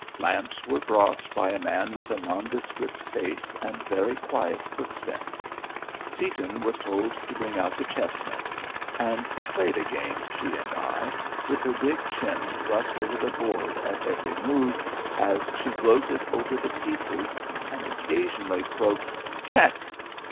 Lamps were brought by a man with a nondescript face and very quiet footsteps. Seaton was told to bring out the chess men. And we played a game, she and I, with her big chin thrust over the board at every move as she gloated over the pieces and occasionally croaked "Check!"